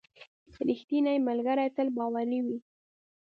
• رښتینی ملګری تل باوري وي.